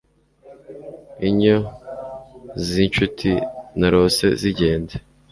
Inyo zinshuti narose zigenda